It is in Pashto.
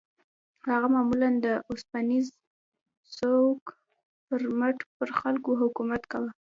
هغه معمولاً د اوسپنيز سوک پر مټ پر خلکو حکومت کاوه.